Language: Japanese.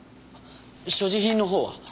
所持品のほうは？